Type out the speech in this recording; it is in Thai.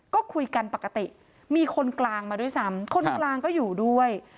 ก็คุยกันปกติมีคนกลางมาด้วยซ้ำคนกลางก็อยู่ด้วย